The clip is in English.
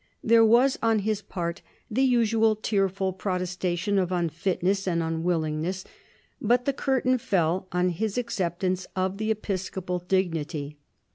There was on his part the usual tearful protestation of unfitness and unwillingness, but the curtain fell on his acceptance of the episcopal dignity.